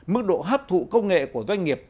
mức độ hấp thụ công nghệ của doanh nghiệp